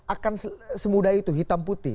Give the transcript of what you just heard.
akan semudah itu hitam putih